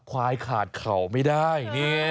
ควายขาดเข่าไม่ได้